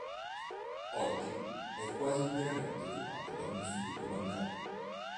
Oggi è quasi interamente occupato da un istituto bancario.